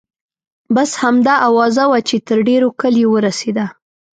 بس همدا اوازه وه چې تر ډېرو کلیو ورسیده.